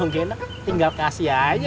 kalo gak enak tinggal kasih aja